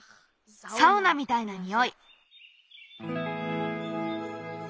サウナみたいなにおい。